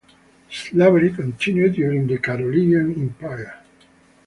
Slavery continued during the Carolingian Empire.